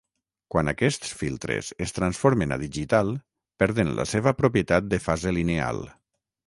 Quan aquests filtres es transformen a digital perden la seva propietat de fase lineal.